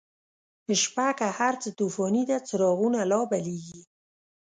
شپه که هرڅه توفانیده، څراغونه لابلیږی